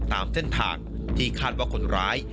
ตามเส้นทางที่คาดว่าคนร้าย